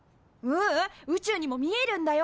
ううん宇宙にも見えるんだよ。